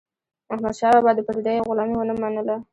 احمدشاه بابا د پردیو غلامي ونه منله.